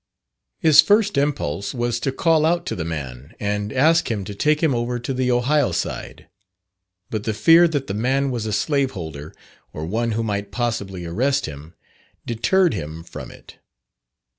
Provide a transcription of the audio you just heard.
His first impulse was to call out to the man and ask him to take him over to the Ohio side, but the fear that the man was a slaveholder, or one who might possibly arrest him, deterred him from it.